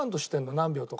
何秒とか。